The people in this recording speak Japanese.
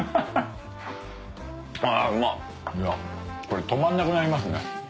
これ止まんなくなりますね。